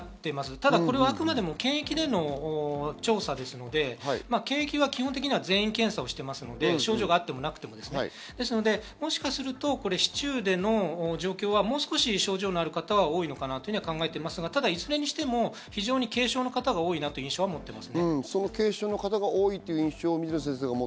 ただこれはあくまで検疫での調査ですので、検疫は基本的には全員検査をしていますので、症状があってもなくても。ですので、もしかすると市中での状況は、もう少し症状のある方は多いのかなと考えていますが、いずれにしても軽症の方が多いという印象は持っています。